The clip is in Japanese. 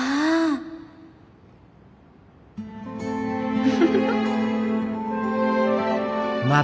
フフフフ。